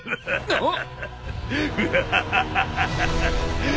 あっ。